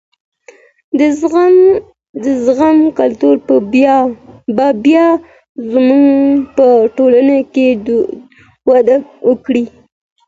د زغم کلتور به بیا زمونږ په ټولنه کي وده وکړي.